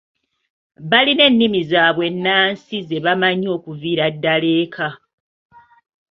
Balina ennimi zaabwe ennansi ze bamanyi okuviira ddala eka.